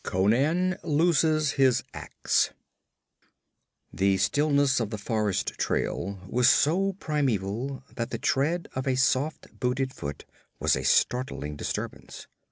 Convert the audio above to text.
] 1 Conan Loses His Ax The stillness of the forest trail was so primeval that the tread of a soft booted foot was a startling disturbance.